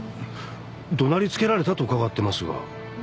怒鳴りつけられたと伺ってますが。